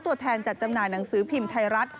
ตัวแทนจัดจำหน่ายหนังสือพิมพ์ไทยรัฐ